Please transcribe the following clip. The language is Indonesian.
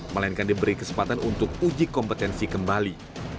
melainkan diberi kesempatan untuk uji kompetensi kembali